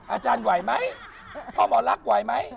อาจารย์ไหวไหมพ่อหมอลักษณ์ไหวไหม